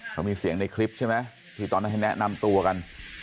เขามีเสียงในคลิปใช่ไหมที่ตอนนั้นให้แนะนำตัวกัน